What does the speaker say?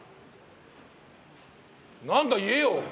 何か言えよ！